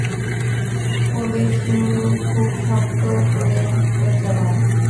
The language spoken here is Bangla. ওদের শিংগুলো খুব শক্ত করে পেঁচানো।